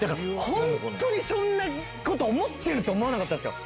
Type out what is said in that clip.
本当にそんなこと思ってるって思わなかったんですよ。